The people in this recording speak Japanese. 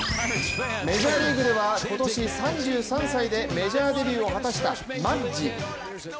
メジャーリーグでは今年３３歳でメジャーデビューを果たしたマッジ。